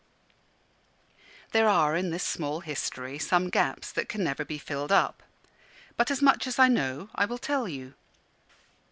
There are in this small history some gaps that can never be filled up; but as much as I know I will tell you.